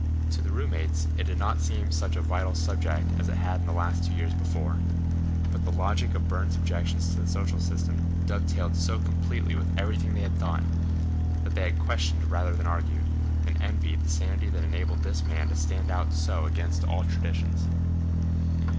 To the roommates it did not seem such a vital subject as it had in the two years before, but the logic of Burne's objections to the social system dovetailed so completely with everything they had thought, that they questioned rather than argued, and envied the sanity that enabled this man to stand out so against all traditions.